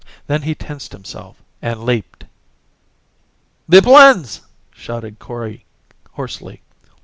Then he tensed himself and leaped. "The plans!" shouted Kori hoarsely.